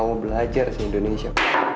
yang mau belajar di indonesia